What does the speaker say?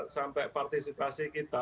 sampai partisipasi kita